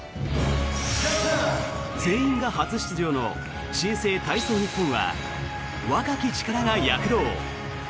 全員が初出場の新星、体操日本は若き力が躍動。